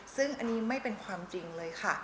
ซึ่งอันนี้ไม่เป็นความจริงเลยค่ะ